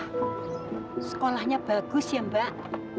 sekolahnya bagus ya mbak